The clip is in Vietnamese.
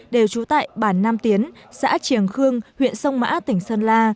đều trú tại bản nam tiến xã triềng khương huyện sông mã tỉnh sơn la